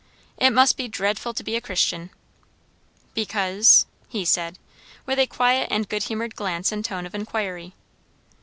"It must be dreadful to be a Christian!" "Because ?" he said, with a quiet and good humoured glance and tone of inquiry.